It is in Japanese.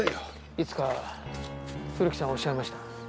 いつか古木さんはおっしゃいました。